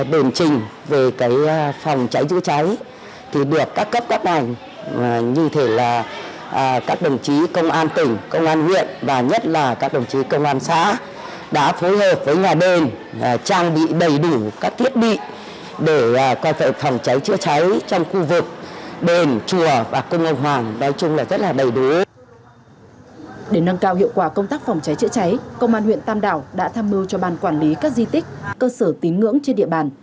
để nâng cao hiệu quả công tác phòng cháy chữa cháy công an huyện tam đảo đã tham mưu cho bàn quản lý các di tích cơ sở tín ngưỡng trên địa bàn